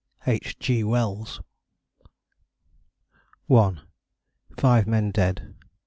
H. G. WELLS. (I) _5 men dead.